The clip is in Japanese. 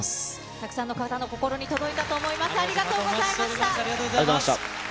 たくさんの方の心に届いたと思います。